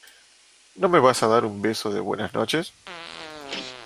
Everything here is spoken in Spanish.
¿ no me vas a dar un beso de buenas noches?